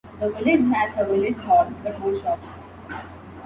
The village has a village hall but no shops.